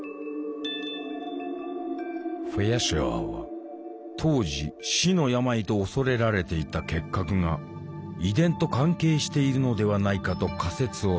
フェアシュアーは当時「死の病」と恐れられていた結核が遺伝と関係しているのではないかと仮説を立てた。